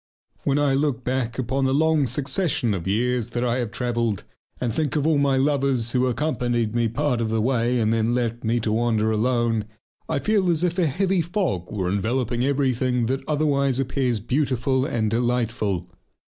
When I look back upon the long succession of years that I have travelled, and think of all my lovers who accompanied me part of the way, and then left me to wander alone, I feel as if a heavy fog were enveloping everything that otherwise appears beautiful and delightful....